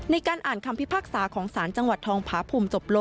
ในการอ่านคำพิพากษาของศาลจังหวัดทองผาภูมิจบโล